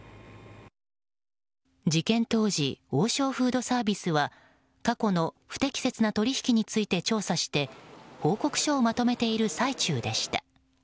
事件当時、王将フードサービスは過去の不適切な取引について調査して報告書をまとめている最中でした。